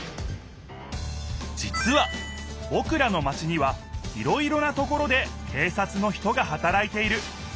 じつはぼくらのマチにはいろいろなところで警察の人がはたらいている。